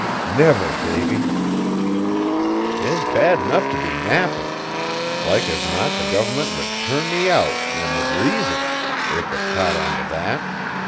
"Never, Davy!" "It's bad enough t' be napping. Like as not the government would turn me out, an' with reason, if it caught on t' that.